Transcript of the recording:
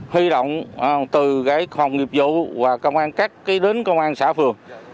huy động từ cái phòng nghiệp vụ và công an các đến công an xã phường